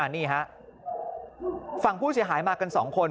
นี่ฮะฝั่งผู้เสียหายมากัน๒คน